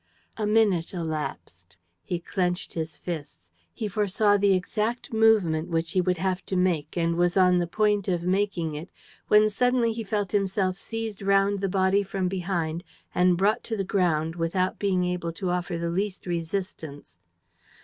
A minute elapsed. He clenched his fists. He foresaw the exact movement which he would have to make and was on the point of making it, when suddenly he felt himself seized round the body from behind and brought to the ground without being able to offer the least resistance.